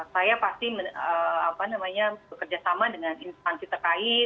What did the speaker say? saya pasti bekerjasama dengan instansi terkait